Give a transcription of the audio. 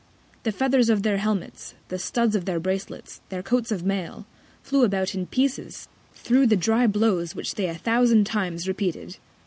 The Feathers of their Helmets, the Studs of their Bracelets, their Coats of Mail, flew about in Pieces, thro' the dry Blows which they a thousand Times repeated.